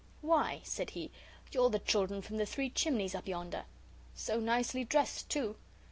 "Why," said he, "you're the children from the Three Chimneys up yonder. So nicely dressed, too.